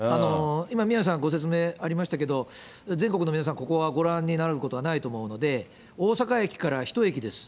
今、宮根さん、ご説明ありましたけれども、全国の皆さん、ここはご覧になることはないと思うので、大阪駅から１駅です。